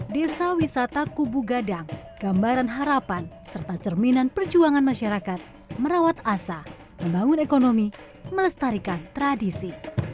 desa wisata kubu gadang gambaran harapan serta cerminan perjuangan masyarakat merawat asa membangun ekonomi melestarikan tradisi